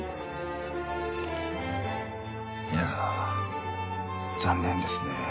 いや残念ですね。